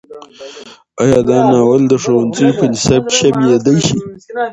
ایا دا ناول د ښوونځیو په نصاب کې شاملېدی شي؟